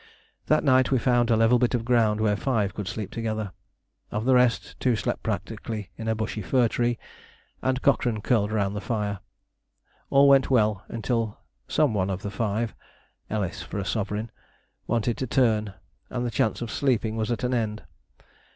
That night we found a level bit of ground where five could sleep together. Of the rest, two slept practically in a bushy fir tree, and Cochrane curled round the fire. All went well until some one of the five Ellis for a sovereign wanted to turn, and the chance of sleeping was at an end.